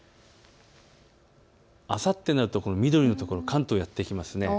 あさってになると緑のところ関東にやって来ます。